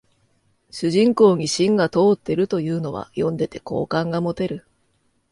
主人公に芯が通ってるというのは読んでて好感が持てる